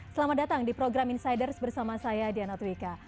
selamat datang di program insiders bersama saya diana twika